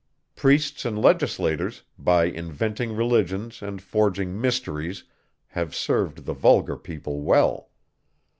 Priests and legislators, by inventing religions and forging mysteries have served the vulgar people well.